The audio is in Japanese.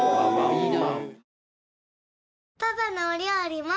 いいな！